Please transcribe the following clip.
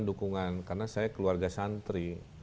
dukungan karena saya keluarga santri